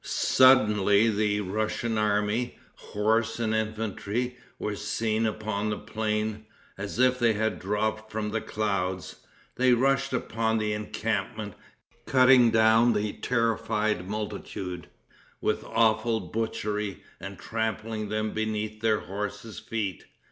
Suddenly the Russian army, horse and infantry, were seen upon the plain, as if they had dropped from the clouds. They rushed upon the encampment, cutting down the terrified multitude, with awful butchery, and trampling them beneath their horses' feet.